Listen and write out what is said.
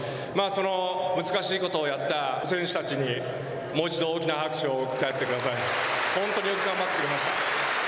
その難しいことをやった選手たちにもう一度、大きな拍手を贈ってやってください。